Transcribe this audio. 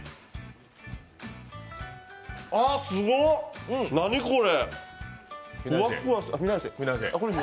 ああ、すごっ、何これ？